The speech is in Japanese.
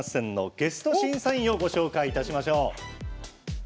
ゲスト審査員をご紹介しましょう。